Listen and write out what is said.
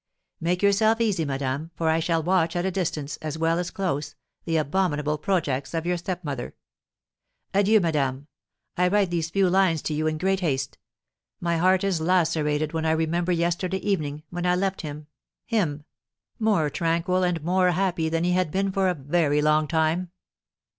Make yourself easy, madame, for I shall watch at a distance, as well as close, the abominable projects of your stepmother. Adieu, madame; I write these few lines to you in great haste. My heart is lacerated when I remember yesterday evening, when I left him, him, more tranquil and more happy than he had been for a very long time.